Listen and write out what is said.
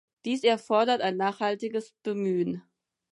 Dies erfordert ein nachhaltiges Bemühen.